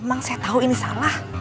emang saya tahu ini salah